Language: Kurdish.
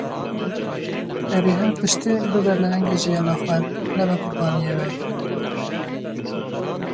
Berî her tiştî, bibe lehengê jîyana xwe, nebe qurbaniyê wê.